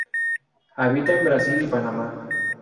Habita en Brasil y Panamá.